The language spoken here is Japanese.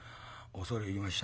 「恐れ入りました。